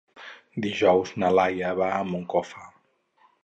Dijous na Laia va a Moncofa.